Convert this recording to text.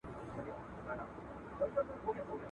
ښکارېدی چي له وطنه لیري تللی.